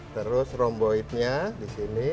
terus rhomboid nya di sini